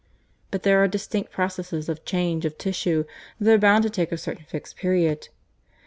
But there are distinct processes of change of tissue that are bound to take a certain fixed period.